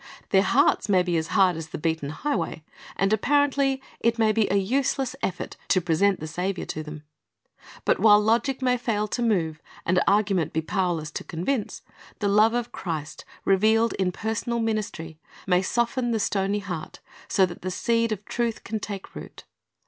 Their hearts may be as hard as the beaten high way, and apparentl}' it may be a useless effort to present the Saviour to them; but while logic may fail to move, and argu ment be powerless to convince, the love of Christ, revealed in personal ministry, may soften the stony heart, so that the seed of truth can take root.